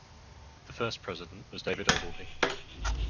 The first President was David Ogilvy.